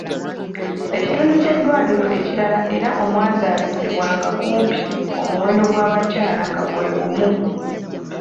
Ekitundu ky’eddwaliro ekirala era omwazaalisizibwanga kumpi omuwendo gw’abakyala nga gwe gumu.